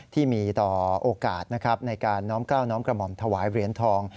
ที่มีต่อโอกาสนะครับในการน้อมกล้าวน้อมกระหม่อมถวายเหรียญทอง